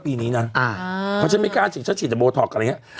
เพราะฉันไม่กล้าดีฉันฉีดเเบอร์ท็อกกันเเนี้ย